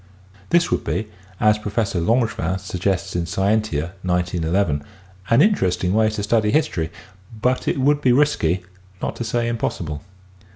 This would be, as Professor Langevin suggests in Scientia, 191 1, an interesting way to study history, but it would be risky, not to say impossible.